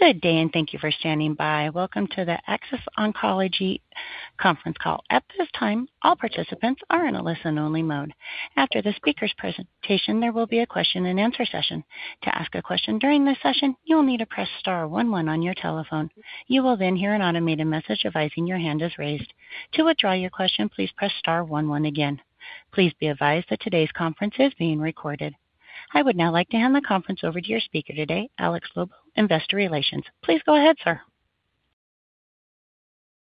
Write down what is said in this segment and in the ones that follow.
Good day, and thank you for standing by. Welcome to the Aktis Oncology conference call. At this time, all participants are in a listen-only mode. After the speakers' presentation, there will be a question and answer session. To ask a question during this session, you will need to press star one one on your telephone. You will hear an automated message advising your hand is raised. To withdraw your question, please press star one one again. Please be advised that today's conference is being recorded. I would now like to hand the conference over to your speaker today, Alex Lobo, investor relations. Please go ahead, sir.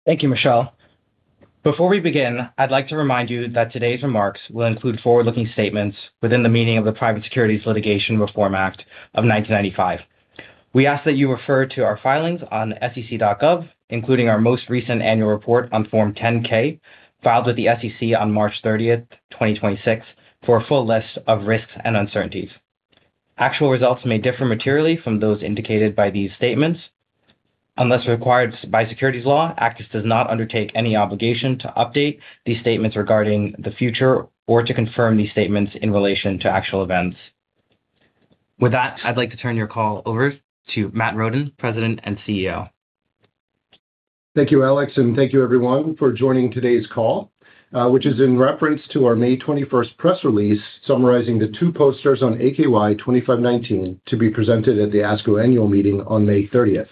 Thank you, Michelle. Before we begin, I'd like to remind you that today's remarks will include forward-looking statements within the meaning of the Private Securities Litigation Reform Act of 1995. We ask that you refer to our filings on sec.gov, including our most recent annual report on Form 10-K, filed with the SEC on March 30th, 2026, for a full list of risks and uncertainties. Actual results may differ materially from those indicated by these statements. Unless required by securities law, Aktis does not undertake any obligation to update these statements regarding the future or to confirm these statements in relation to actual events. With that, I'd like to turn your call over to Matt Roden, President and CEO. Thank you, Alex, and thank you everyone for joining today's call, which is in reference to our May 21st press release summarizing the two posters on AKY-2519 to be presented at the ASCO annual meeting on May 30th.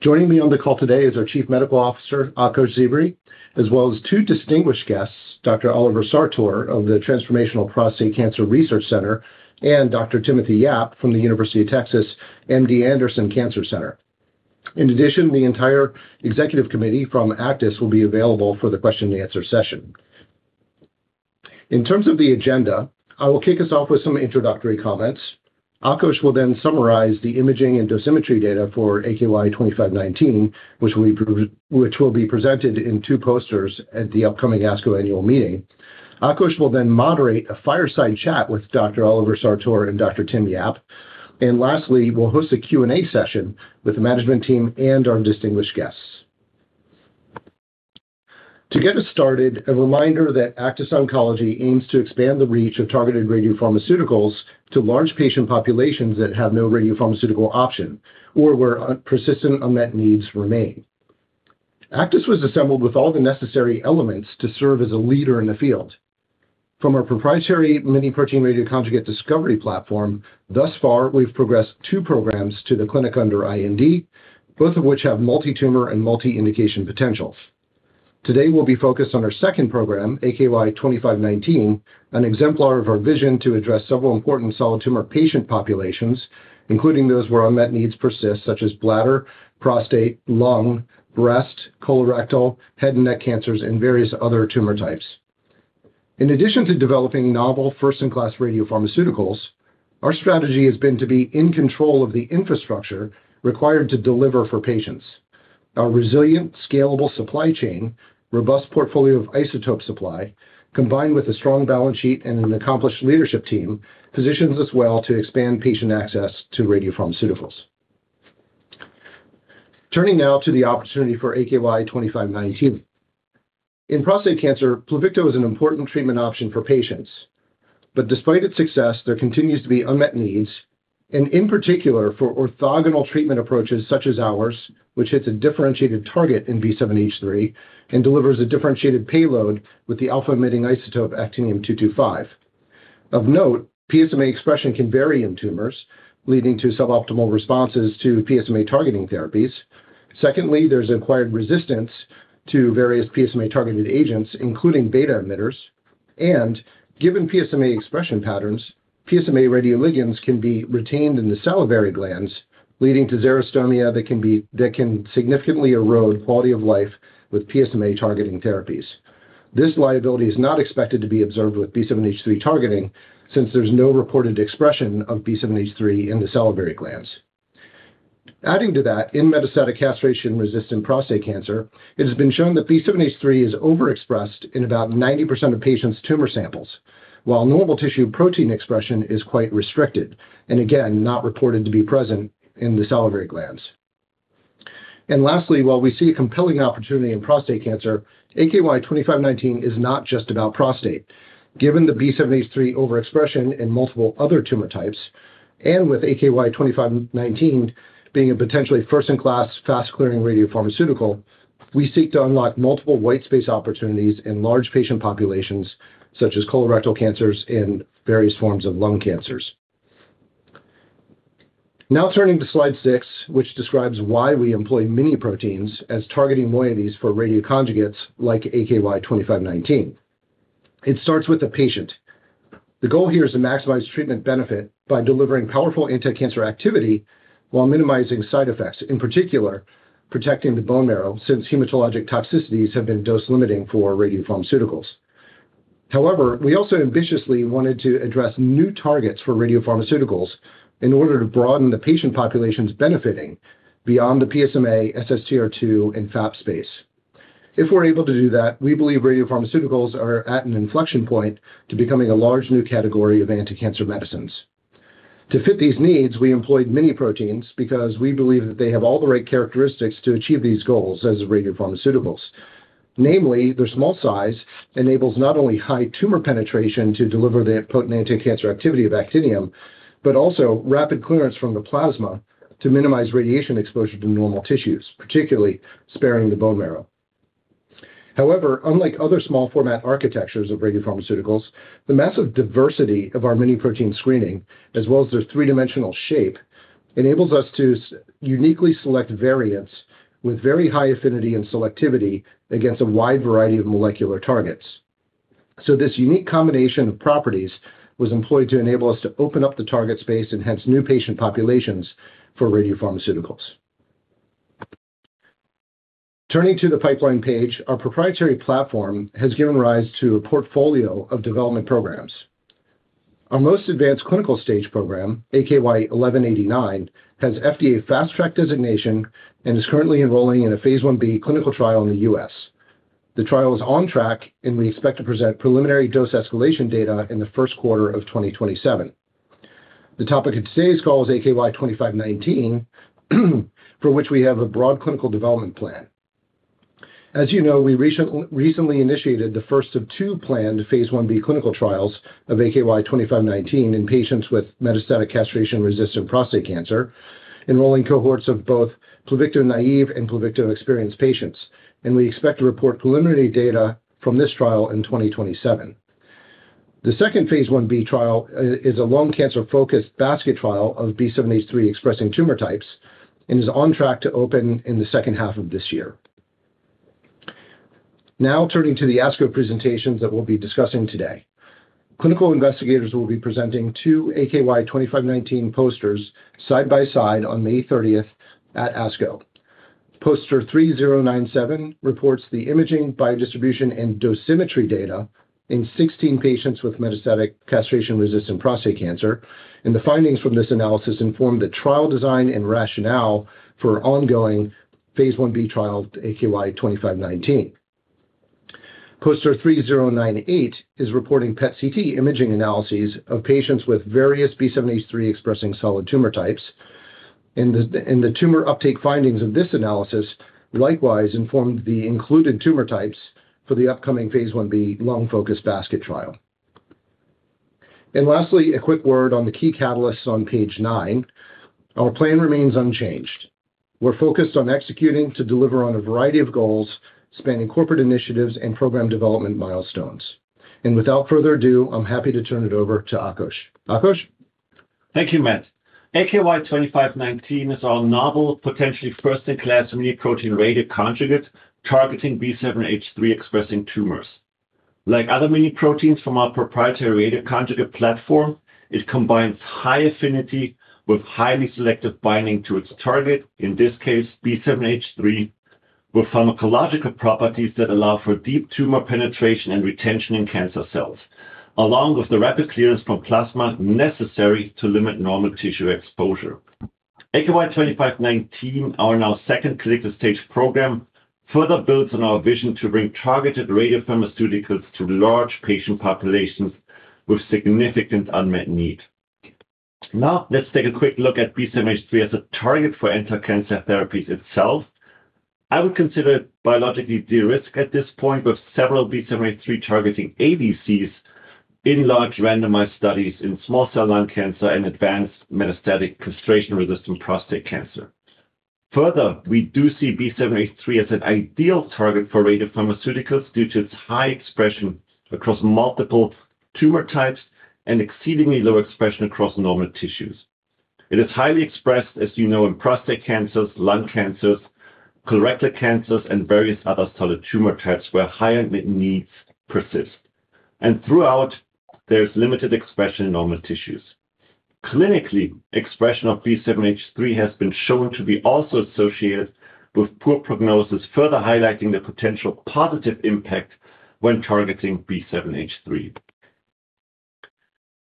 Joining me on the call today is our Chief Medical Officer, Akos Czibere, as well as two distinguished guests, Dr. Oliver Sartor of the Transformational Prostate Cancer Research Center, and Dr. Timothy Yap from The University of Texas MD Anderson Cancer Center. In addition, the entire executive committee from Aktis will be available for the question and answer session. In terms of the agenda, I will kick us off with some introductory comments. Akos will summarize the imaging and dosimetry data for AKY-2519, which will be presented in two posters at the upcoming ASCO annual meeting. Akos will then moderate a fireside chat with Dr. Oliver Sartor and Dr. Tim Yap, and lastly, we'll host a Q&A session with the management team and our distinguished guests. To get us started, a reminder that Aktis Oncology aims to expand the reach of targeted radiopharmaceuticals to large patient populations that have no radiopharmaceutical option or where persistent unmet needs remain. Aktis was assembled with all the necessary elements to serve as a leader in the field. From our proprietary miniprotein radioconjugate discovery platform, thus far, we've progressed two programs to the clinic under IND, both of which have multi-tumor and multi-indication potentials. Today, we'll be focused on our second program, AKY-2519, an exemplar of our vision to address several important solid tumor patient populations, including those where unmet needs persist, such as bladder, prostate, lung, breast, colorectal, head and neck cancers, and various other tumor types. In addition to developing novel first-in-class radiopharmaceuticals, our strategy has been to be in control of the infrastructure required to deliver for patients. Our resilient, scalable supply chain, robust portfolio of isotope supply, combined with a strong balance sheet and an accomplished leadership team, positions us well to expand patient access to radiopharmaceuticals. Turning now to the opportunity for AKY-2519. In prostate cancer, PLUVICTO is an important treatment option for patients. Despite its success, there continues to be unmet needs, and in particular, for orthogonal treatment approaches such as ours, which hits a differentiated target in B7-H3 and delivers a differentiated payload with the alpha-emitting isotope actinium-225. Of note, PSMA expression can vary in tumors, leading to suboptimal responses to PSMA-targeting therapies. Secondly, there's acquired resistance to various PSMA-targeted agents, including beta emitters, and given PSMA expression patterns, PSMA radioligands can be retained in the salivary glands, leading to xerostomia that can significantly erode quality of life with PSMA-targeting therapies. This liability is not expected to be observed with B7-H3 targeting, since there's no reported expression of B7-H3 in the salivary glands. In metastatic castration-resistant prostate cancer, it has been shown that B7-H3 is overexpressed in about 90% of patients' tumor samples, while normal tissue protein expression is quite restricted and, again, not reported to be present in the salivary glands. Lastly, while we see a compelling opportunity in prostate cancer, AKY-2519 is not just about prostate. Given the B7-H3 overexpression in multiple other tumor types, and with AKY-2519 being a potentially first-in-class fast clearing radiopharmaceutical, we seek to unlock multiple whitespace opportunities in large patient populations, such as colorectal cancers and various forms of lung cancers. Now turning to slide six, which describes why we employ mini-proteins as targeting moieties for radioconjugates like AKY-2519. It starts with the patient. The goal here is to maximize treatment benefit by delivering powerful anticancer activity while minimizing side effects, in particular, protecting the bone marrow, since hematologic toxicities have been dose-limiting for radiopharmaceuticals. However, we also ambitiously wanted to address new targets for radiopharmaceuticals in order to broaden the patient populations benefiting beyond the PSMA, SSTR2, and FAP space. If we're able to do that, we believe radiopharmaceuticals are at an inflection point to becoming a large new category of anticancer medicines. To fit these needs, we employed mini-proteins because we believe that they have all the right characteristics to achieve these goals as radiopharmaceuticals. Namely, their small size enables not only high tumor penetration to deliver the potent anticancer activity of actinium, but also rapid clearance from the plasma to minimize radiation exposure to normal tissues, particularly sparing the bone marrow. However, unlike other small format architectures of radiopharmaceuticals, the massive diversity of our mini-protein screening, as well as their three-dimensional shape, enables us to uniquely select variants with very high affinity and selectivity against a wide variety of molecular targets. This unique combination of properties was employed to enable us to open up the target space and hence new patient populations for radiopharmaceuticals. Turning to the pipeline page, our proprietary platform has given rise to a portfolio of development programs. Our most advanced clinical stage program, AKY-1189, has FDA Fast Track designation and is currently enrolling in a phase I-B clinical trial in the U.S. The trial is on track, and we expect to present preliminary dose escalation data in the first quarter of 2027. The topic of today's call is AKY-2519, for which we have a broad clinical development plan. As you know, we recently initiated the first of two planned phase I-B clinical trials of AKY-2519 in patients with metastatic castration-resistant prostate cancer, enrolling cohorts of both PLUVICTO-naive and PLUVICTO-experienced patients. We expect to report preliminary data from this trial in 2027. The second phase I-B trial is a lung cancer-focused basket trial of B7-H3-expressing tumor types and is on track to open in the second half of this year. Now turning to the ASCO presentations that we'll be discussing today. Clinical investigators will be presenting two AKY-2519 posters side by side on May 30th at ASCO. Poster 3097 reports the imaging, biodistribution, and dosimetry data in 16 patients with metastatic castration-resistant prostate cancer. The findings from this analysis inform the trial design and rationale for ongoing phase I-B trial, AKY-2519. Poster 3098 is reporting PET/CT imaging analyses of patients with various B7-H3-expressing solid tumor types, and the tumor uptake findings of this analysis likewise informed the included tumor types for the upcoming phase I-B lung-focused basket trial. Lastly, a quick word on the key catalysts on page nine. Our plan remains unchanged. We're focused on executing to deliver on a variety of goals, spanning corporate initiatives and program development milestones. Without further ado, I'm happy to turn it over to Akos. Akos? Thank you, Matt. AKY-2519 is our novel, potentially first-in-class miniprotein radioconjugate targeting B7-H3-expressing tumors. Like other miniproteins from our proprietary radioconjugate platform, it combines high affinity with highly selective binding to its target, in this case, B7-H3, with pharmacological properties that allow for deep tumor penetration and retention in cancer cells, along with the rapid clearance from plasma necessary to limit normal tissue exposure. AKY-2519, our now second clinical-stage program, further builds on our vision to bring targeted radiopharmaceuticals to large patient populations with significant unmet need. Let's take a quick look at B7-H3 as a target for anticancer therapies itself. I would consider it biologically de-risked at this point, with several B7-H3-targeting ADCs in large randomized studies in small cell lung cancer and advanced metastatic castration-resistant prostate cancer. Further, we do see B7-H3 as an ideal target for radiopharmaceuticals due to its high expression across multiple tumor types and exceedingly low expression across normal tissues. It is highly expressed, as you know, in prostate cancers, lung cancers, colorectal cancers, and various other solid tumor types where high unmet needs persist. Throughout, there is limited expression in normal tissues. Clinically, expression of B7-H3 has been shown to be also associated with poor prognosis, further highlighting the potential positive impact when targeting B7-H3.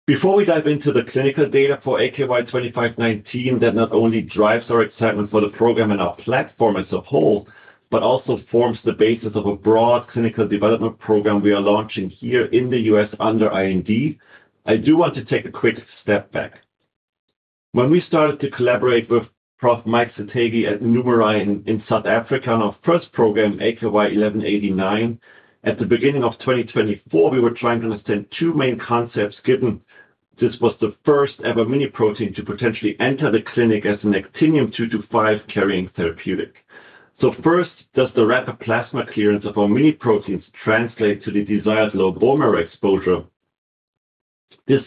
Before we dive into the clinical data for AKY-2519 that not only drives our excitement for the program and our platform as a whole, but also forms the basis of a broad clinical development program we are launching here in the U.S. under IND, I do want to take a quick step back. When we started to collaborate with Prof. Mike Sathekge at NuMeRI in South Africa on our first program, AKY-1189, at the beginning of 2024, we were trying to understand two main concepts, given this was the first-ever mini-protein to potentially enter the clinic as an actinium-225 carrying therapeutic. First, does the rapid plasma clearance of our mini-proteins translate to the desired low bone marrow exposure? This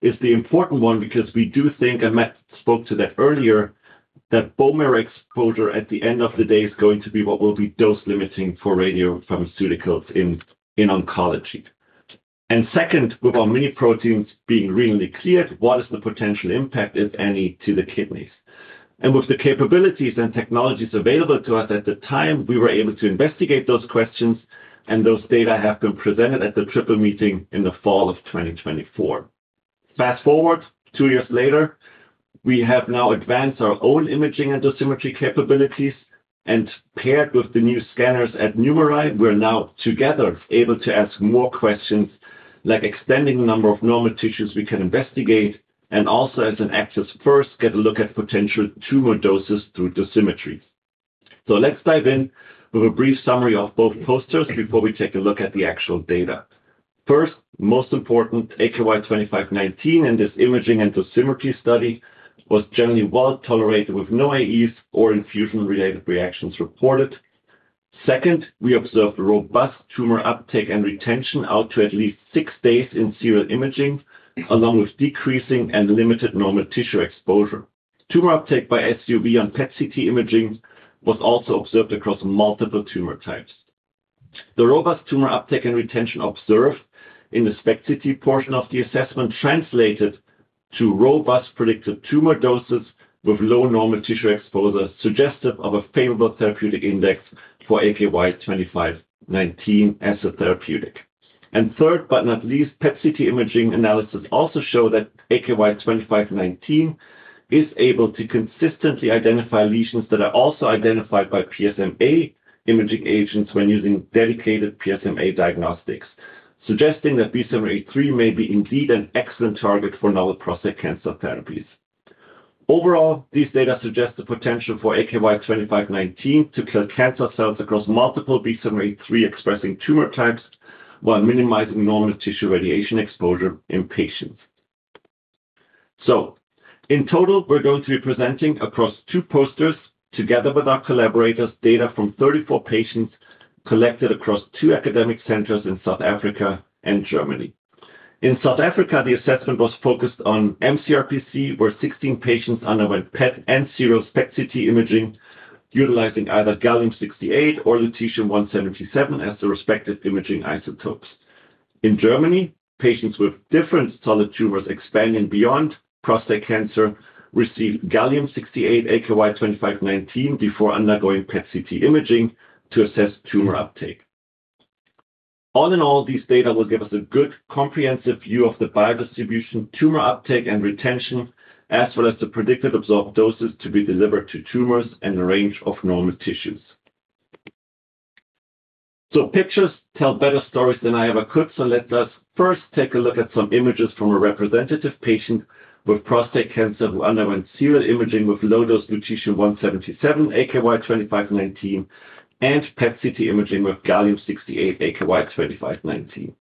is the important one because we do think, and Matt spoke to that earlier, that bone marrow exposure at the end of the day is going to be what will be dose-limiting for radiopharmaceuticals in oncology. Second, with our mini-proteins being readily cleared, what is the potential impact, if any, to the kidneys? With the capabilities and technologies available to us at the time, we were able to investigate those questions, and those data have been presented at the Triple Meeting in the fall of 2024. Fast-forward two years later, we have now advanced our own imaging and dosimetry capabilities, and paired with the new scanners at NuMeRI, we're now together able to ask more questions, like extending the number of normal tissues we can investigate, and also as an access first, get a look at potential tumor doses through dosimetry. Let's dive in with a brief summary of both posters before we take a look at the actual data. First, most important, AKY-2519 and this imaging and dosimetry study was generally well-tolerated with no AEs or infusion-related reactions reported. Second, we observed robust tumor uptake and retention out to at least six days in serial imaging, along with decreasing and limited normal tissue exposure. Tumor uptake by SUV on PET/CT imaging was also observed across multiple tumor types. The robust tumor uptake and retention observed in the SPECT/CT portion of the assessment translated to robust predicted tumor doses with low normal tissue exposure, suggestive of a favorable therapeutic index for AKY-2519 as a therapeutic. Third, but not least, PET/CT imaging analysis also show that AKY-2519 is able to consistently identify lesions that are also identified by PSMA imaging agents when using dedicated PSMA diagnostics, suggesting that B7-H3 may be indeed an excellent target for novel prostate cancer therapies. Overall, these data suggest the potential for AKY-2519 to kill cancer cells across multiple B7-H3-expressing tumor types while minimizing normal tissue radiation exposure in patients. In total, we're going to be presenting across two posters together with our collaborators, data from 34 patients collected across two academic centers in South Africa and Germany. In South Africa, the assessment was focused on mCRPC, where 16 patients underwent PET and serial SPECT/CT imaging utilizing either gallium-68 or lutetium-177 as the respective imaging isotopes. In Germany, patients with different solid tumors expanding beyond prostate cancer received gallium-68 AKY-2519 before undergoing PET/CT imaging to assess tumor uptake. All in all, these data will give us a good, comprehensive view of the biodistribution tumor uptake and retention, as well as the predicted absorbed doses to be delivered to tumors and a range of normal tissues. Pictures tell better stories than I ever could. Let us first take a look at some images from a representative patient with prostate cancer who underwent serial imaging with low-dose lutetium-177 AKY-2519 and PET/CT imaging with gallium-68 AKY-2519.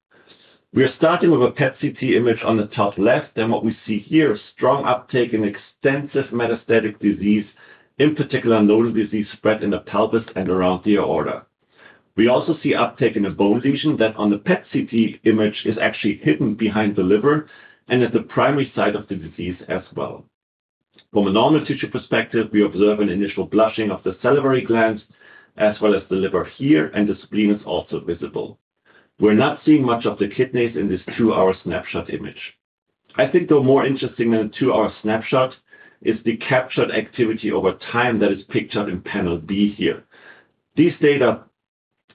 We are starting with a PET/CT image on the top left, and what we see here, a strong uptake in extensive metastatic disease, in particular, nodal disease spread in the pelvis and around the aorta. We also see uptake in a bone lesion that on the PET/CT image is actually hidden behind the liver and at the primary site of the disease as well. From a normal tissue perspective, we observe an initial blushing of the salivary glands as well as the liver here, and the spleen is also visible. We're not seeing much of the kidneys in this two-hour snapshot image. I think, though, more interesting than a two-hour snapshot is the captured activity over time that is pictured in panel B here. These data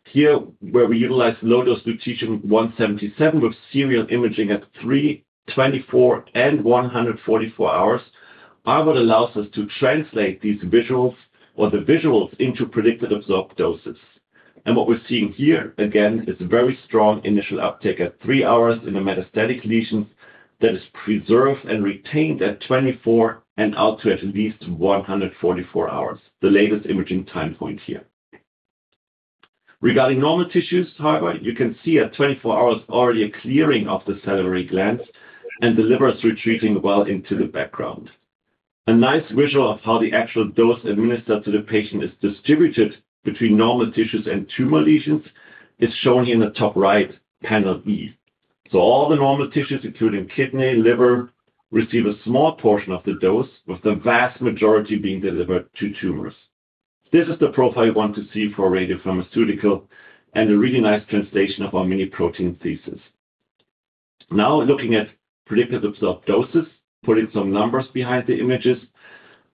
here, where we utilize low-dose lutetium-177 with serial imaging at three, 24, and 144 hours, are what allows us to translate these visuals or the visuals into predicted absorbed doses. What we're seeing here, again, is a very strong initial uptake at three hours in the metastatic lesions that is preserved and retained at 24 and out to at least 144 hours, the latest imaging time point here. Regarding normal tissues, however, you can see at 24 hours already a clearing of the salivary glands and the liver is retreating well into the background. A nice visual of how the actual dose administered to the patient is distributed between normal tissues and tumor lesions is shown here in the top right panel B. All the normal tissues, including kidney, liver, receive a small portion of the dose, with the vast majority being delivered to tumors. This is the profile you want to see for a radiopharmaceutical and a really nice translation of our miniprotein thesis. Looking at predicted absorbed doses, putting some numbers behind the images,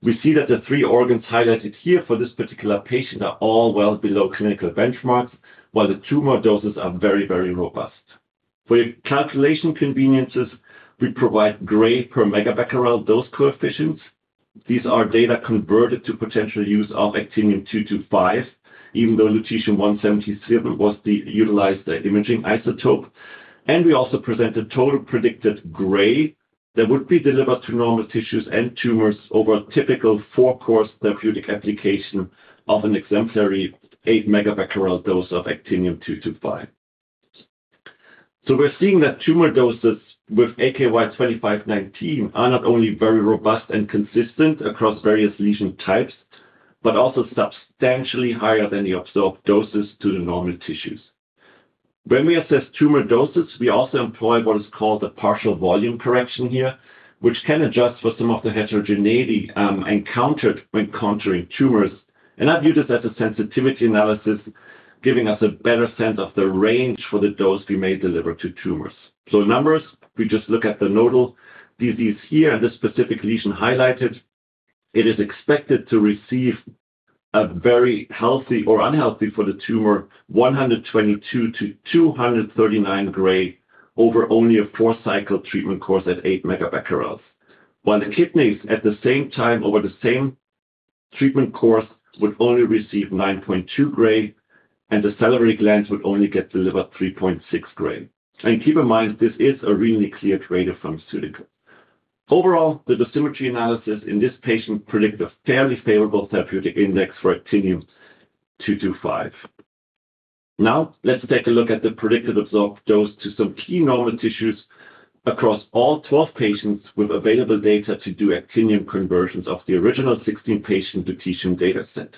we see that the three organs highlighted here for this particular patient are all well below clinical benchmarks, while the tumor doses are very, very robust. For your calculation conveniences, we provide gray per megabecquerel dose coefficients. These are data converted to potential use of actinium-225, even though lutetium-177 was the utilized imaging isotope. We also present a total predicted gray that would be delivered to normal tissues and tumors over a typical four-course therapeutic application of an exemplary 8 MBq dose of actinium-225. We're seeing that tumor doses with AKY-2519 are not only very robust and consistent across various lesion types, but also substantially higher than the absorbed doses to the normal tissues. When we assess tumor doses, we also employ what is called a partial volume correction here, which can adjust for some of the heterogeneity encountered when contouring tumors. I view this as a sensitivity analysis, giving us a better sense of the range for the dose we may deliver to tumors. Numbers, we just look at the nodal disease here and the specific lesion highlighted. It is expected to receive a very healthy or unhealthy for the tumor 122-239 gray over only a four-cycle treatment course at 8 MBq. While the kidneys at the same time over the same treatment course would only receive 9.2 gray, and the salivary glands would only get delivered 3.6 gray. Keep in mind, this is a really clear grader pharmaceutical. Overall, the dosimetry analysis in this patient predict a fairly favorable therapeutic index for actinium-225. Let's take a look at the predicted absorbed dose to some key normal tissues across all 12 patients with available data to do actinium conversions of the original 16 patient lutetium data set.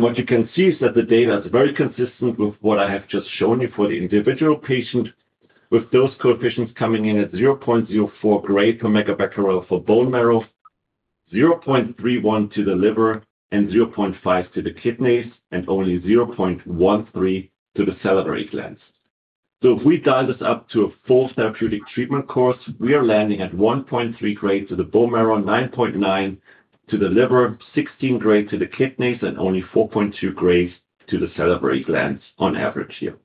What you can see is that the data is very consistent with what I have just shown you for the individual patient, with those coefficients coming in at 0.04 gray/MBq for bone marrow, 0.31 gray/MBq to the liver, and 0.5 gray/MBq to the kidneys, and only 0.13 gray/MBq to the salivary glands. If we dial this up to a full therapeutic treatment course, we are landing at 1.3 gray to the bone marrow, 9.9 to the liver, 16 gray to the kidneys, and only 4.2 grays to the salivary glands on average here.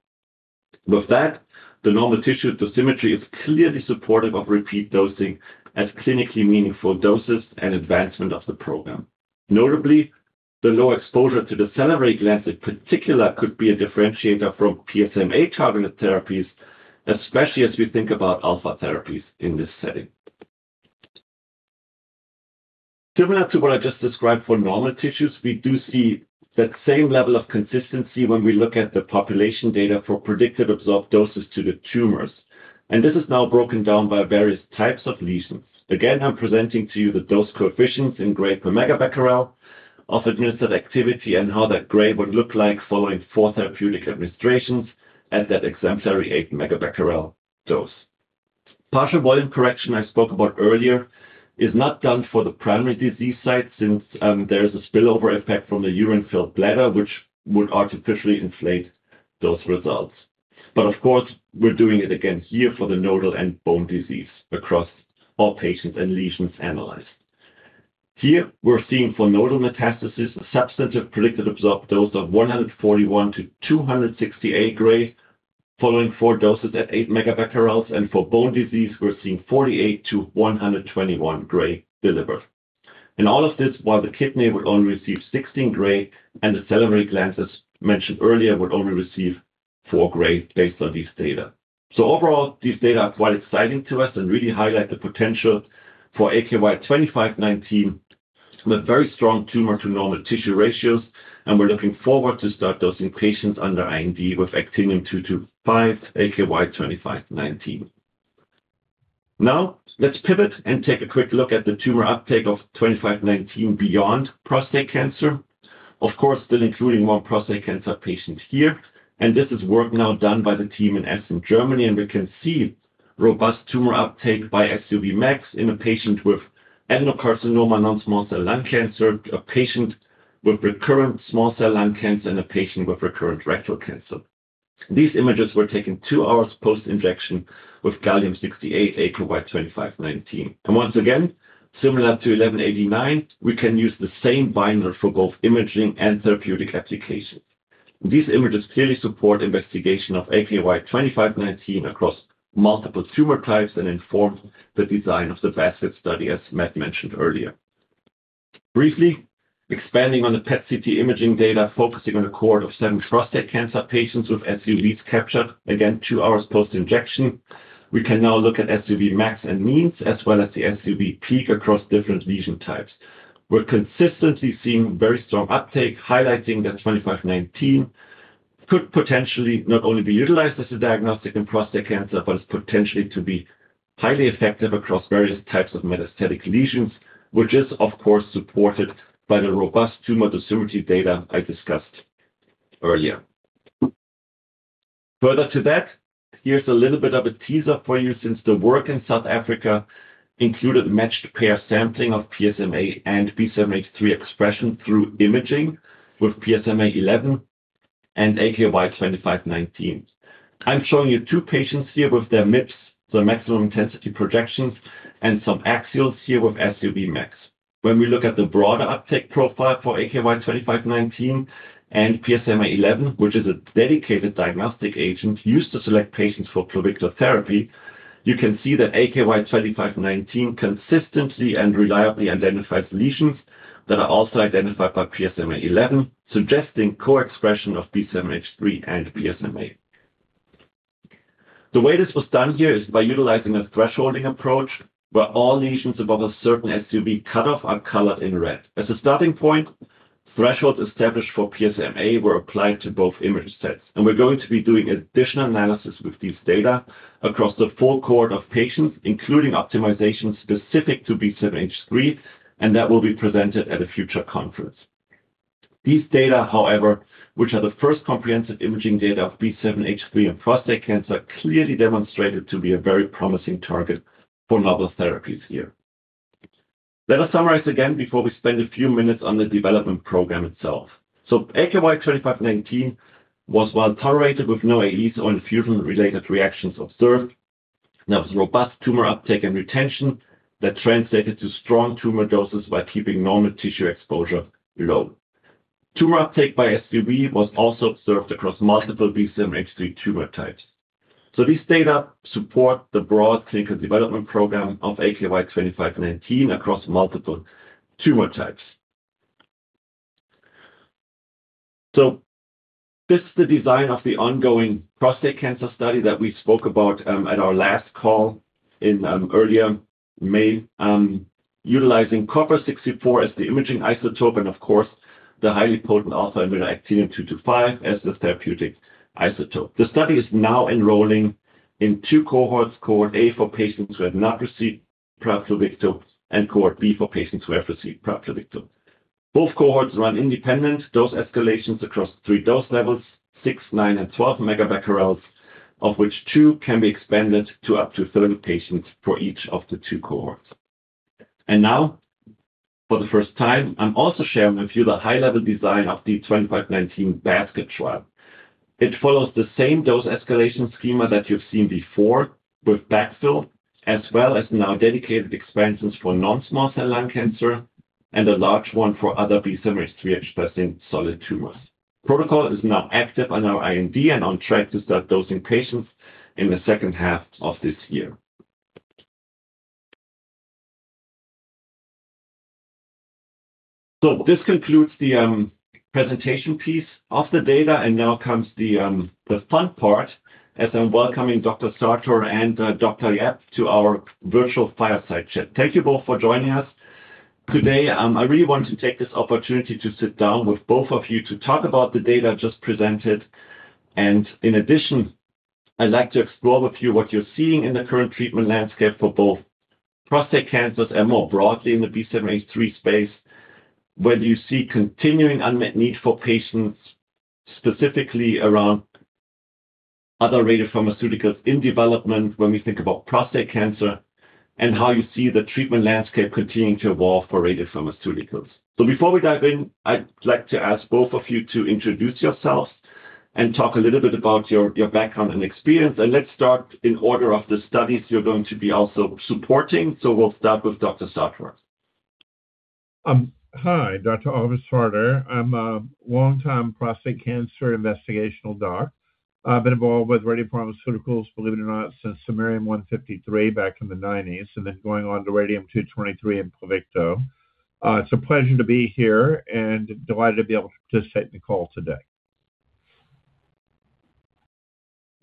With that, the normal tissue dosimetry is clearly supportive of repeat dosing as clinically meaningful doses and advancement of the program. Notably, the low exposure to the salivary glands in particular could be a differentiator from PSMA targeted therapies, especially as we think about alpha therapies in this setting. Similar to what I just described for normal tissues, we do see that same level of consistency when we look at the population data for predicted absorbed doses to the tumors, and this is now broken down by various types of lesions. I'm presenting to you the dose coefficients in gray per megabecquerel of administered activity and how that gray would look like following four therapeutic administrations at that exemplary 8 MBq dose. Partial volume correction I spoke about earlier is not done for the primary disease site since there is a spillover effect from the urine-filled bladder, which would artificially inflate those results. Of course, we're doing it again here for the nodal and bone disease across all patients and lesions analyzed. Here, we're seeing for nodal metastasis a substantive predicted absorbed dose of 141 gray-268 gray following four doses at 8 MBq, and for bone disease, we're seeing 48 gray-121 gray delivered. In all of this, while the kidney would only receive 16 gray and the salivary glands, as mentioned earlier, would only receive four gray based on these data. Overall, these data are quite exciting to us and really highlight the potential for AKY-2519 with very strong tumor to normal tissue ratios, and we're looking forward to start dosing patients under IND with actinium-225 AKY-2519. Let's pivot and take a quick look at the tumor uptake of 2519 beyond prostate cancer. Of course, still including more prostate cancer patients here, and this is work now done by the team in Essen, Germany. We can see robust tumor uptake by SUVmax in a patient with adenocarcinoma, non-small cell lung cancer, a patient with recurrent small cell lung cancer, and a patient with recurrent rectal cancer. These images were taken two hours post-injection with gallium-68 AKY-2519. Once again, similar to 11-89, we can use the same binder for both imaging and therapeutic applications. These images clearly support investigation of AKY-2519 across multiple tumor types and inform the design of the basket study, as Matt mentioned earlier. Briefly expanding on the PET/CT imaging data, focusing on a cohort of seven prostate cancer patients with SUVs captured, again two hours post-injection, we can now look at SUVmax and SUVmean, as well as the SUV peak across different lesion types. We're consistently seeing very strong uptake, highlighting that 2519 could potentially not only be utilized as a diagnostic in prostate cancer, but is potentially to be highly effective across various types of metastatic lesions, which is of course supported by the robust tumor dosimetry data I discussed earlier. Further to that, here's a little bit of a teaser for you since the work in South Africa included matched pair sampling of PSMA and B7-H3 expression through imaging with PSMA-11 and AKY-2519. I'm showing you two patients here with their MIPs, so maximum intensity projections, and some axials here with SUVmax. When we look at the broader uptake profile for AKY-2519 and PSMA-11, which is a dedicated diagnostic agent used to select patients for PLUVICTO therapy, you can see that AKY-2519 consistently and reliably identifies lesions that are also identified by PSMA-11, suggesting co-expression of B7-H3 and PSMA. The way this was done here is by utilizing a thresholding approach where all lesions above a certain SUV cutoff are colored in red. As a starting point, thresholds established for PSMA were applied to both image sets, and we're going to be doing additional analysis with these data across the full cohort of patients, including optimization specific to B7-H3, and that will be presented at a future conference. These data, however, which are the first comprehensive imaging data of B7-H3 and prostate cancer, clearly demonstrated to be a very promising target for novel therapies here. Let us summarize again before we spend a few minutes on the development program itself. AKY-2519 was well tolerated with no ADEs or infusion-related reactions observed. There was robust tumor uptake and retention that translated to strong tumor doses while keeping normal tissue exposure low. Tumor uptake by SUV was also observed across multiple B7-H3 tumor types. These data support the broad clinical development program of AKY-2519 across multiple tumor types. This is the design of the ongoing prostate cancer study that we spoke about at our last call in earlier May, utilizing copper-64 as the imaging isotope and, of course, the highly potent alpha-emitter actinium-225 as the therapeutic isotope. The study is now enrolling in two cohorts, cohort A for patients who have not received PLUVICTO, and cohort B for patients who have received PLUVICTO. Both cohorts run independent dose escalations across three dose levels, 6, 9, and 12 MBq, of which two can be expanded to up to 30 patients for each of the two cohorts. Now, for the first time, I'm also sharing with you the high-level design of the 2519 basket trial. It follows the same dose escalation schema that you've seen before with backfill, as well as now dedicated expansions for non-small cell lung cancer and a large one for other B7-H3-expressing solid tumors. Protocol is now active on our IND and on track to start dosing patients in the second half of this year. This concludes the presentation piece of the data, and now comes the fun part, as I'm welcoming Dr. Sartor and Dr. Yap to our virtual fireside chat. Thank you both for joining us today. I really want to take this opportunity to sit down with both of you to talk about the data just presented. In addition, I'd like to explore with you what you're seeing in the current treatment landscape for both prostate cancers and more broadly in the B7-H3 space, whether you see continuing unmet need for patients, specifically around other radiopharmaceuticals in development when we think about prostate cancer, and how you see the treatment landscape continuing to evolve for radiopharmaceuticals. Before we dive in, I'd like to ask both of you to introduce yourselves and talk a little bit about your background and experience. Let's start in order of the studies you're going to be also supporting. We'll start with Dr. Sartor. Hi. Dr. Oliver Sartor. I'm a long-time prostate cancer investigational doc. I've been involved with radiopharmaceuticals, believe it or not, since samarium-153 back in the '90s, and then going on to radium-223 and PLUVICTO. It's a pleasure to be here and delighted to be able to sit in the call today.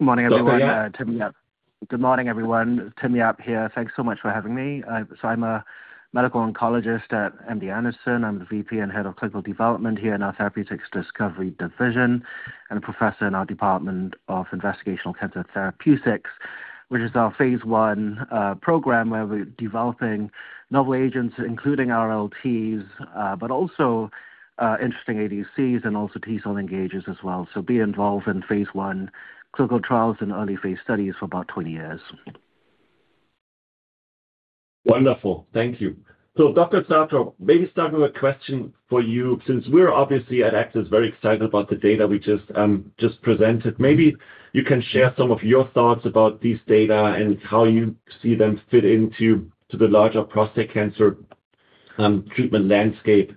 Dr. Yap? Good morning, everyone. Tim Yap here. Thanks so much for having me. I'm a medical oncologist at MD Anderson. I'm the VP and head of clinical development here in our Therapeutics Discovery division, and a professor in our Department of Investigational Cancer Therapeutics, which is our phase I program, where we're developing novel agents, including RLTs but also interesting ADCs and also T-cell engagers as well. Have been involved in phase I clinical trials and early phase studies for about 20 years. Wonderful. Thank you. Dr. Sartor, maybe start with a question for you, since we're obviously at Aktis very excited about the data we just presented. Maybe you can share some of your thoughts about these data and how you see them fit into the larger prostate cancer treatment landscape,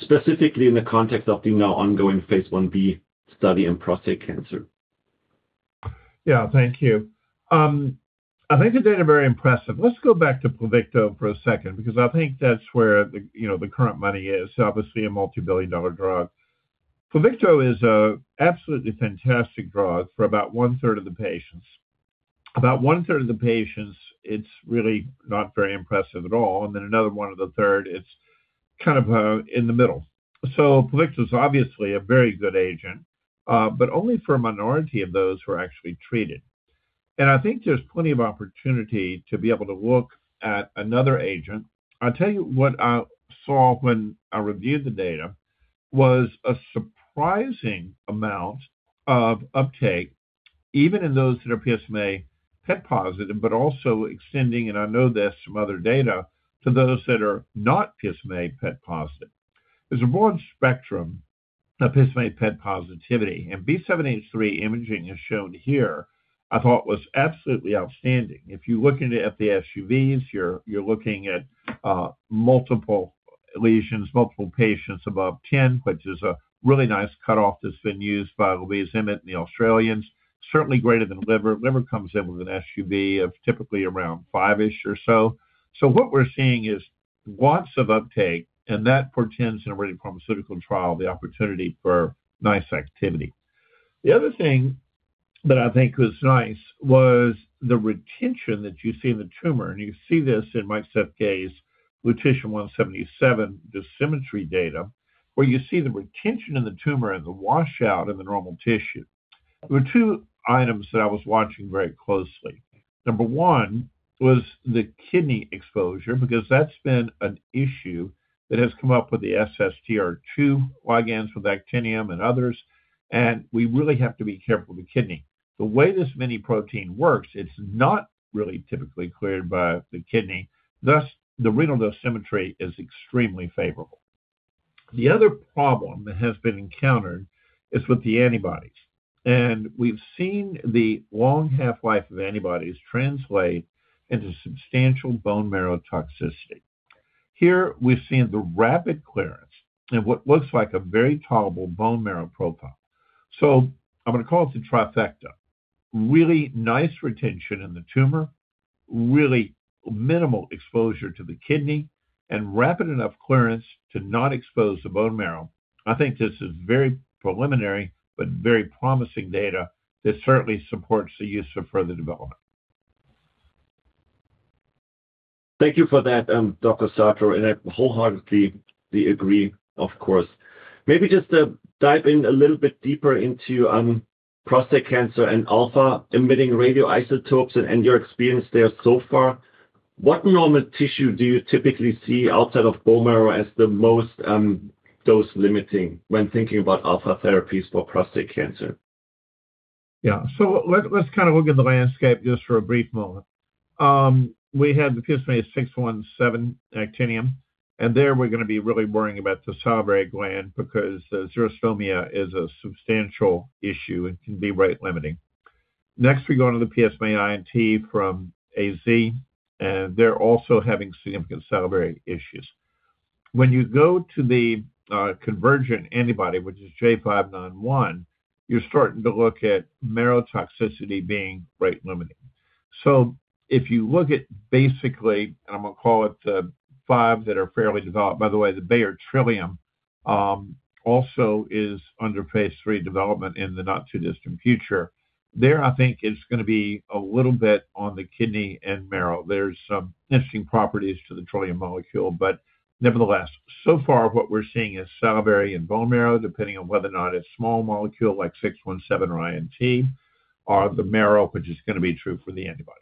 specifically in the context of the now ongoing phase I-B study in prostate cancer. Yeah. Thank you. I think the data are very impressive. Let's go back to PLUVICTO for a second, because I think that's where the current money is, obviously a multi-billion dollar drug. PLUVICTO is an absolutely fantastic drug for about one-third of the patients. About one-third of the patients, it's really not very impressive at all. Another one of the third, it's kind of in the middle. PLUVICTO's obviously a very good agent, but only for a minority of those who are actually treated. I think there's plenty of opportunity to be able to look at another agent. I'll tell you what I saw when I reviewed the data, was a surprising amount of uptake, even in those that are PSMA PET positive, but also extending, and I know this from other data, to those that are not PSMA PET positive. There's a broad spectrum of PSMA PET positivity, and B7-H3 imaging, as shown here, I thought was absolutely outstanding. If you're looking at the SUVs, you're looking at multiple lesions, multiple patients above 10, which is a really nice cutoff that's been used by Louise Emmett and the Australians, certainly greater than liver. Liver comes in with an SUV of typically around five-ish or so. What we're seeing is lots of uptake, and that portends in a radiopharmaceutical trial the opportunity for nice activity. The other thing that I think was nice was the retention that you see in the tumor, and you see this in Mike Sathekge's lutetium-177 dosimetry data, where you see the retention in the tumor and the washout in the normal tissue. There were two items that I was watching very closely. Number one was the kidney exposure, because that's been an issue that has come up with the SSTR2 ligands with actinium and others. We really have to be careful of the kidney. The way this mini-protein works, it's not really typically cleared by the kidney, thus the renal dosimetry is extremely favorable. The other problem that has been encountered is with the antibodies, and we've seen the long half-life of antibodies translate into substantial bone marrow toxicity. Here we're seeing the rapid clearance and what looks like a very tolerable bone marrow profile. I'm going to call it the trifecta. Really nice retention in the tumor, really minimal exposure to the kidney, and rapid enough clearance to not expose the bone marrow. I think this is very preliminary, very promising data that certainly supports the use of further development. Thank you for that, Dr. Sartor, and I wholeheartedly agree, of course. Maybe just to dive in a little bit deeper into prostate cancer and alpha-emitting radioisotopes and your experience there so far, what normal tissue do you typically see outside of bone marrow as the most dose-limiting when thinking about alpha therapies for prostate cancer? Yeah. Let's look at the landscape just for a brief moment. We have the PSMA-617 actinium, and there we're going to be really worrying about the salivary gland because xerostomia is a substantial issue and can be rate limiting. Next, we go onto the PSMA I&T from AZ, and they're also having significant salivary issues. When you go to the convergent antibody, which is J591, you're starting to look at marrow toxicity being rate limiting. If you look at basically, and I'm going to call it the five that are fairly developed, by the way, the Bayer Trillium, also is under phase III development in the not-too-distant future. There, I think it's going to be a little bit on the kidney and marrow. There's some interesting properties to the Trillium molecule, but nevertheless, so far what we're seeing is salivary and bone marrow, depending on whether or not a small molecule like PSMA-617 or I&T are the marrow, which is going to be true for the antibodies.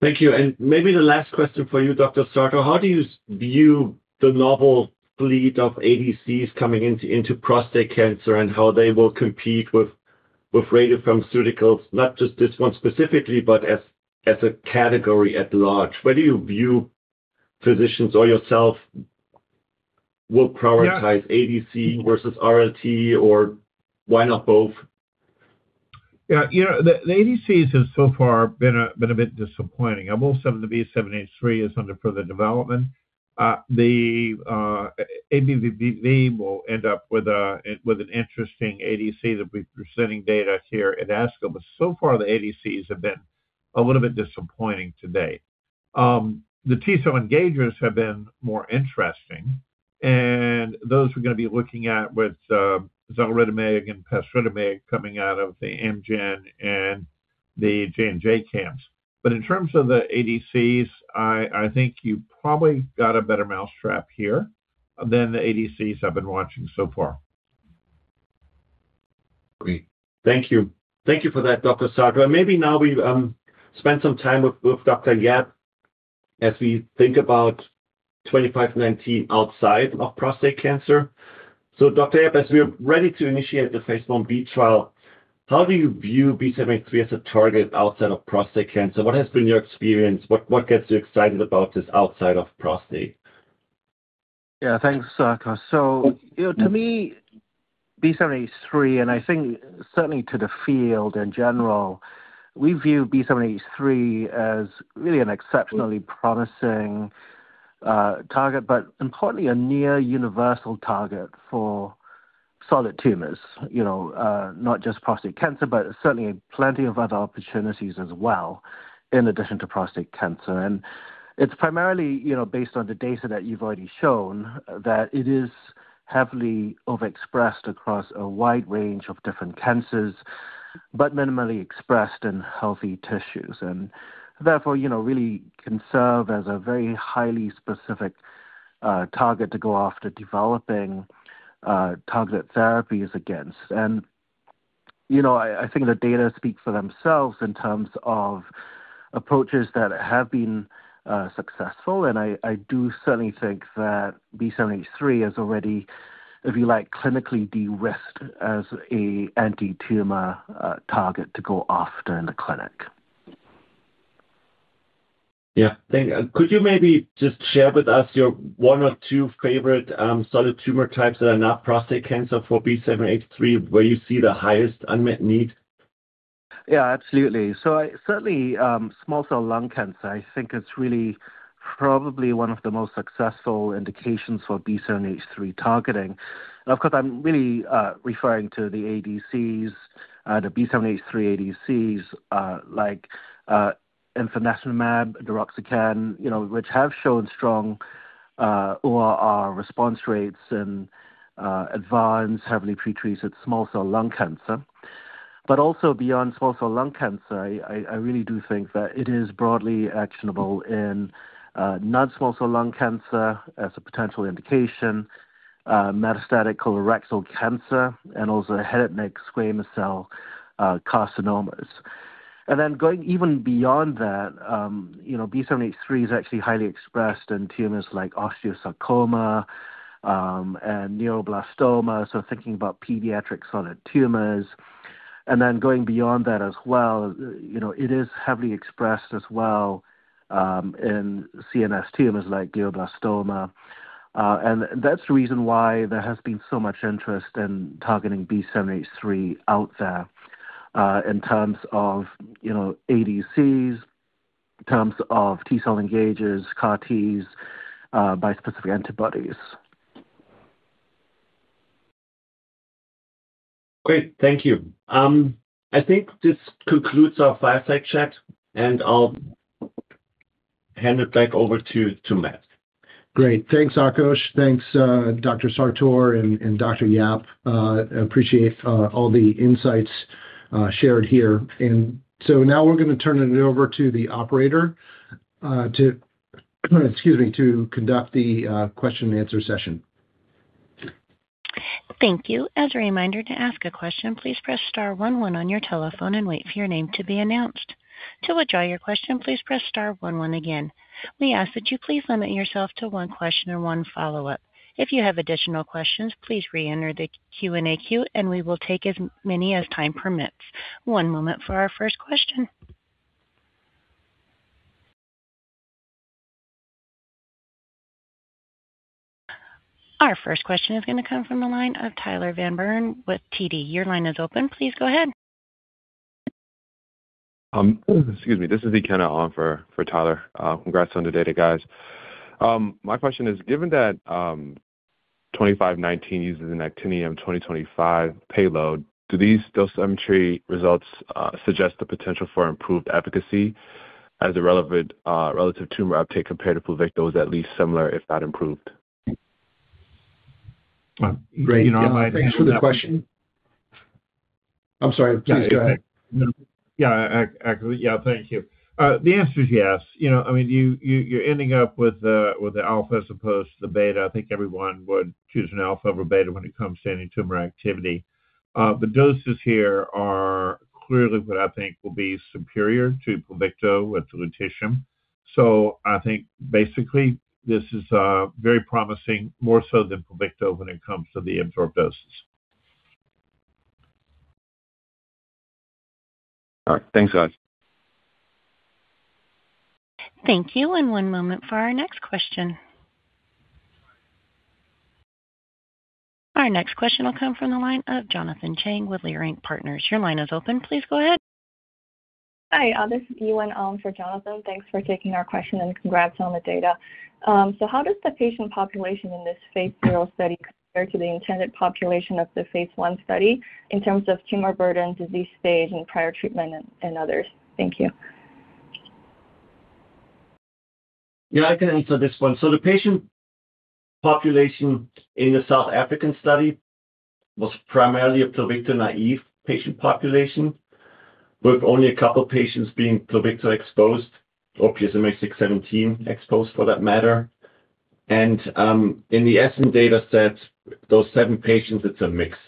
Thank you. Maybe the last question for you, Dr. Sartor, how do you view the novel fleet of ADCs coming into prostate cancer and how they will compete with radiopharmaceuticals, not just this one specifically, but as a category at large? Whether you view physicians or yourself will prioritize ADC versus RLT, or why not both? Yeah. The ADCs have so far been a bit disappointing. Almost some of the B7-H3 is under further development. AbbVie will end up with an interesting ADC that'll be presenting data here at ASCO. So far, the ADCs have been a little bit disappointing to date. The T-cell engagers have been more interesting, and those we're going to be looking at with xaluritamig and pasritamig coming out of the Amgen and the J&J camps. In terms of the ADCs, I think you probably got a better mousetrap here than the ADCs I've been watching so far. Great. Thank you. Thank you for that, Dr. Sartor. Maybe now we spend some time with Dr. Yap as we think about 2519 outside of prostate cancer. Dr. Yap, as we're ready to initiate the phase I-B trial, how do you view B7-H3 as a target outside of prostate cancer? What has been your experience? What gets you excited about this outside of prostate? Yeah, thanks, Sartor. To me, B7-H3, and I think certainly to the field in general, we view B7-H3 as really an exceptionally promising target, but importantly, a near universal target for solid tumors. Not just prostate cancer, but certainly plenty of other opportunities as well in addition to prostate cancer. It's primarily based on the data that you've already shown that it is heavily overexpressed across a wide range of different cancers, but minimally expressed in healthy tissues, and therefore really can serve as a very highly specific target to go after developing target therapies against. I think the data speak for themselves in terms of approaches that have been successful, and I do certainly think that B7-H3 is already, if you like, clinically de-risked as a anti-tumor target to go after in the clinic. Yeah. Could you maybe just share with us your one or two favorite solid tumor types that are not prostate cancer for B7-H3, where you see the highest unmet need? Yeah, absolutely. Certainly, small cell lung cancer, I think it's really probably one of the most successful indications for B7-H3 targeting. Of course, I'm really referring to the ADCs, the B7-H3 ADCs, like ifinatamab, deruxtecan, which have shown strong ORR response rates in advanced heavily pre-treated small cell lung cancer. Also beyond small cell lung cancer, I really do think that it is broadly actionable in non-small cell lung cancer as a potential indication, metastatic colorectal cancer, and also head and neck squamous cell carcinomas. Then going even beyond that, B7-H3 is actually highly expressed in tumors like osteosarcoma, and neuroblastoma, so thinking about pediatric solid tumors. Going beyond that as well, it is heavily expressed as well in CNS tumors like glioblastoma. That's the reason why there has been so much interest in targeting B7-H3 out there in terms of ADCs, in terms of T-cell engagers, CAR-Ts, bispecific antibodies. Great, thank you. I think this concludes our fireside chat, and I'll hand it back over to Matt. Great. Thanks, Akos. Thanks, Dr. Sartor and Dr. Yap. Appreciate all the insights shared here. Now we're going to turn it over to the operator to, excuse me, conduct the question and answer session. Thank you. As a reminder, to ask a question, please press star one one on your telephone and wait for your name to be announced. To withdraw your question, please press star one one again. We ask that you please limit yourself to one question or one follow-up. If you have additional questions, please reenter the Q&A queue and we will take as many as time permits. One moment for our first question. Our first question is going to come from the line of Tyler Van Buren with TD. Your line is open. Please go ahead. Excuse me, this is Ikenna on for Tyler. Congrats on the data, guys. My question is, given that AKY-2519 uses an actinium-225 payload, do these dosimetry results suggest the potential for improved efficacy as the relevant relative tumor uptake compared to PLUVICTO is at least similar, if not improved? Great. Thanks for the question. I'm sorry, please go ahead. No. Yeah, thank you. The answer is yes. You're ending up with the alpha as opposed to the beta. I think everyone would choose an alpha over beta when it comes to any tumor activity. The doses here are clearly what I think will be superior to PLUVICTO with lutetium. I think basically this is very promising, more so than PLUVICTO when it comes to the absorbed doses. All right. Thanks, guys. Thank you. One moment for our next question. Our next question will come from the line of Jonathan Chang with Leerink Partners. Your line is open. Please go ahead. Hi, this is Yiwen Ong for Jonathan. Thanks for taking our question and congrats on the data. How does the patient population in this phase II study compare to the intended population of the phase I study in terms of tumor burden, disease stage in prior treatment, and others? Thank you. Yeah, I can answer this one. The patient population in the South African study was primarily a PLUVICTO-naive patient population, with only a couple patients being PLUVICTO exposed or PSMA-617 exposed for that matter. In the ESMO data set, those seven patients, it's a mix.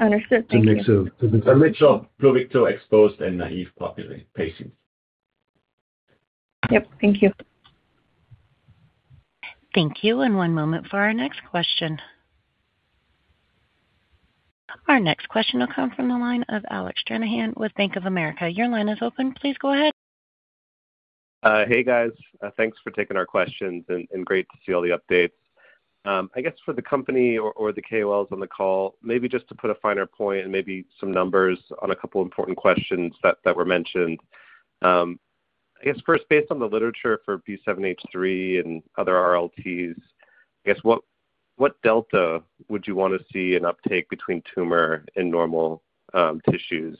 Understood. Thank you. A mix of- A mix of PLUVICTO-exposed and naive patients. Yep. Thank you. Thank you. One moment for our next question. Our next question will come from the line of Alec Stranahan with Bank of America. Your line is open. Please go ahead. Hey, guys. Thanks for taking our questions. Great to see all the updates. I guess for the company or the KOLs on the call, maybe just to put a finer point and maybe some numbers on a couple important questions that were mentioned. I guess first, based on the literature for B7-H3 and other RLTs, I guess what delta would you want to see in uptake between tumor and normal tissues?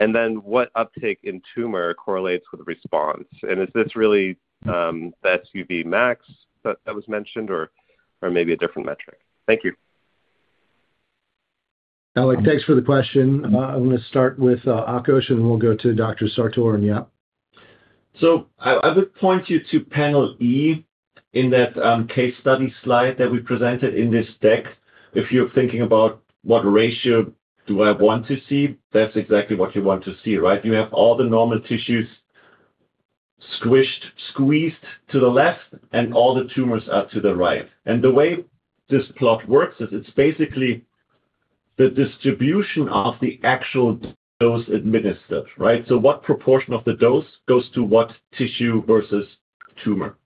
Then what uptake in tumor correlates with response? Is this really that SUVmax that was mentioned or maybe a different metric? Thank you. Alec, thanks for the question. I'm going to start with Akos, and we'll go to Dr. Sartor and Yap. I would point you to panel E in that case study slide that we presented in this deck. If you're thinking about what ratio do I want to see, that's exactly what you want to see, right? You have all the normal tissues squished, squeezed to the left, and all the tumors are to the right. The way this plot works is it's basically the distribution of the actual dose administered, right? What proportion of the dose goes to what tissue versus tumor.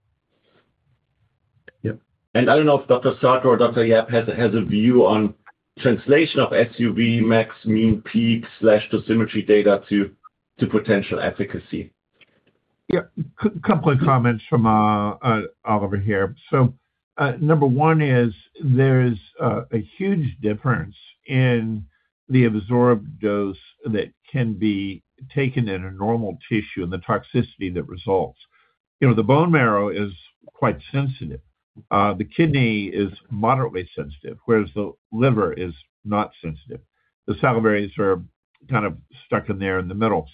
Yep. I don't know if Dr. Sartor or Dr. Yap has a view on translation of SUVmax mean peak/dosimetry data to potential efficacy. Yep. Couple of comments from Oliver here. Number one is there's a huge difference in the absorbed dose that can be taken in a normal tissue and the toxicity that results. The bone marrow is quite sensitive. The kidney is moderately sensitive, whereas the liver is not sensitive. The salivary is sort of stuck in there in the middle.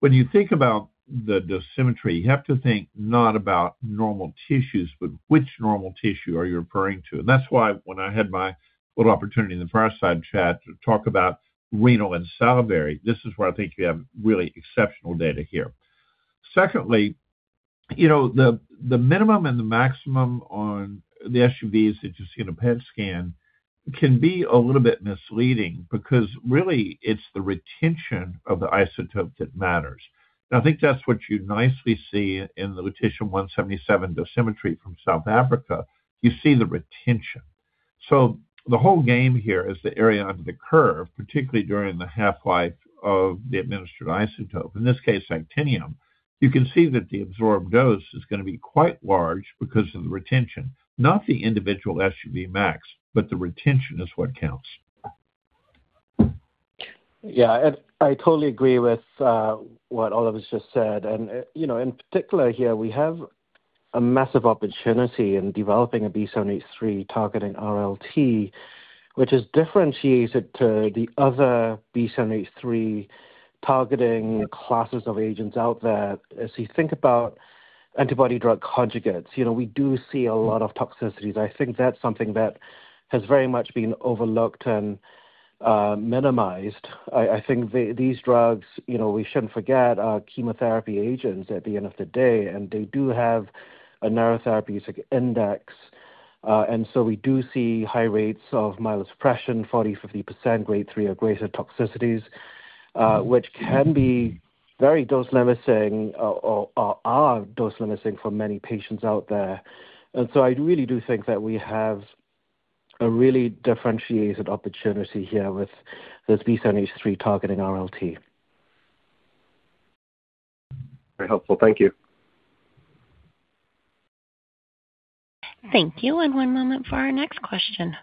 When you think about the dosimetry, you have to think not about normal tissues, but which normal tissue are you referring to? That's why when I had my little opportunity in the fireside chat to talk about renal and salivary, this is where I think you have really exceptional data here. Secondly, the minimum and the maximum on the SUVs that you see in a PET scan can be a little bit misleading because really it's the retention of the isotope that matters. I think that's what you nicely see in the lutetium-177 dosimetry from South Africa. You see the retention. The whole game here is the area under the curve, particularly during the half-life of the administered isotope, in this case, actinium. You can see that the absorbed dose is going to be quite large because of the retention, not the individual SUVmax, but the retention is what counts. Yeah, I totally agree with what Oliver just said. In particular here, we have a massive opportunity in developing a B7-H3 targeting RLT, which is differentiated to the other B7-H3 targeting classes of agents out there. As you think about antibody-drug conjugates, we do see a lot of toxicities. I think that's something that has very much been overlooked and minimized. I think these drugs, we shouldn't forget, are chemotherapy agents at the end of the day, and they do have a narrow therapeutic index. So we do see high rates of myelosuppression, 40%-50% grade three or greater toxicities, which can be very dose-limiting or are dose-limiting for many patients out there. So I really do think that we have a really differentiated opportunity here with this BC083 targeting RLT. Very helpful. Thank you. Thank you. One moment for our next question.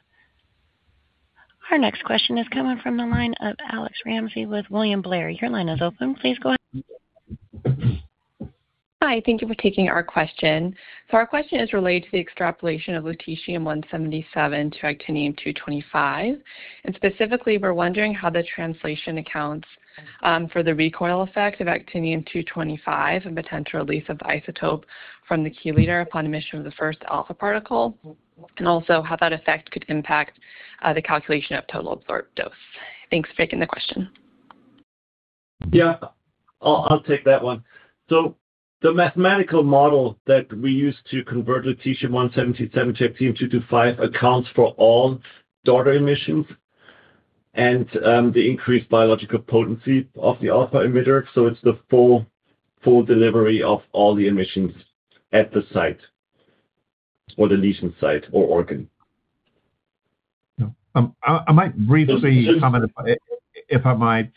Our next question is coming from the line of Alex Ramsey with William Blair. Your line is open. Please go ahead. Hi, thank you for taking our question. Our question is related to the extrapolation of lutetium-177 to actinium-225, and specifically, we're wondering how the translation accounts for the recoil effect of actinium-225 and potential release of isotope from the chelator upon emission of the first alpha particle, and also how that effect could impact the calculation of total absorbed dose. Thanks again for the question. Yeah, I'll take that one. The mathematical model that we use to convert lutetium-177 to actinium-225 accounts for all daughter emissions and the increased biological potency of the alpha emitter. It's the full delivery of all the emissions at the site or the lesion site or organ. I might briefly comment if I might.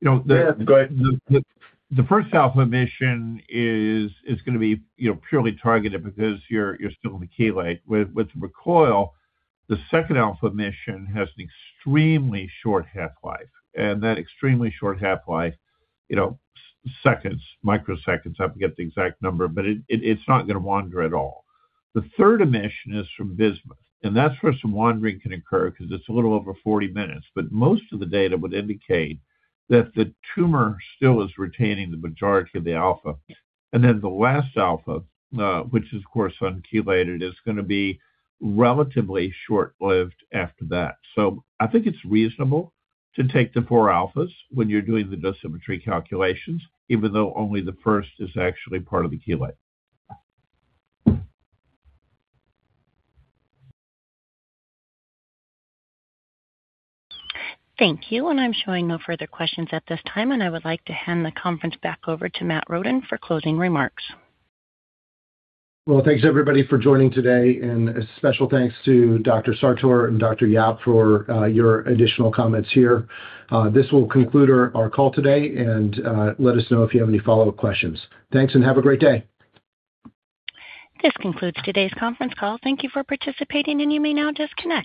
Yeah, go ahead. The first alpha emission is going to be purely targeted because you're still in the chelate. With recoil, the second alpha emission has an extremely short half-life, and that extremely short half-life, seconds, microseconds, I forget the exact number, but it's not going to wander at all. The third emission is from bismuth, and that's where some wandering can occur because it's a little over 40 minutes, but most of the data would indicate that the tumor still is retaining the majority of the alpha. Then the last alpha, which is, of course, unchelated, is going to be relatively short-lived after that. I think it's reasonable to take the four alphas when you're doing the dosimetry calculations, even though only the first is actually part of the chelate. Thank you. I'm showing no further questions at this time, and I would like to hand the conference back over to Matt Roden for closing remarks. Well, thanks everybody for joining today, and a special thanks to Dr. Sartor and Dr. Yap for your additional comments here. This will conclude our call today, and let us know if you have any follow-up questions. Thanks, and have a great day. This concludes today's conference call. Thank you for participating, and you may now disconnect.